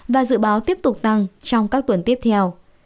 và dự báo tiếp tục tăng trong các tuần tiếp theo